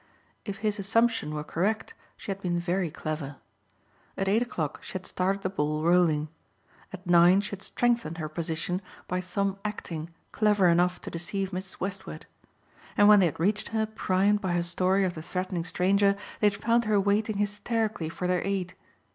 If his assumption were correct she had been very clever. At eight o'clock she had started the ball rolling. At nine she had strengthened her position by some acting clever enough to deceive Mrs. Westward. And when they had reached her primed by her story of the threatening stranger they had found her waiting hysterically for their aid.